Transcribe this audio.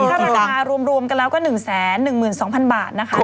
ธรรมดารวมกันแล้วก็หนึ่งแสนหนึ่งหมื่นสองพันบาทนะคะ